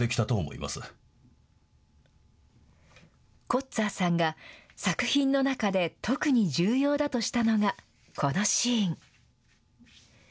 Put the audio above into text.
コッツァーさんが作品の中で、特に重要だとしたのがこのシーン。